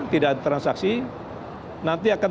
tidak ada transaksi nanti akan